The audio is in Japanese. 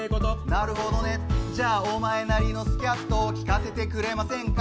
なるほどね、じゃあお前なりのスキャットを聴かせてくれませんか？